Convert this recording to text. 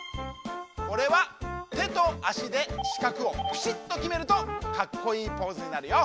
これはてとあしでしかくをピシッときめるとかっこいいポーズになるよ！